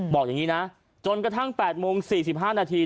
บอกอย่างนี้นะจนกระทั่ง๘โมง๔๕นาที